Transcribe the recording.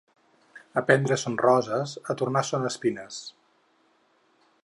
A prendre són roses, a tornar són espines.